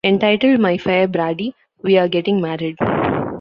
Entitled My Fair Brady: We're Getting Married!